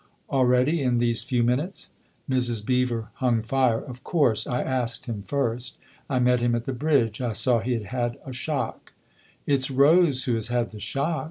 " Already in these few minutes ?" Mrs. Beever hung fire. " Of course I asked him first. I met him at the bridge I saw he had had a shock." " It's Rose who has had the shock